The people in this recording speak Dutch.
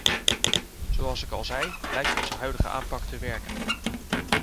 Zoals ik al zei, lijkt onze huidige aanpak te werken.